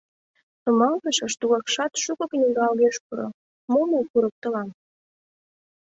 Нумалтышыш тугакшат шуко книга огеш пуро, мом мый курыктылам?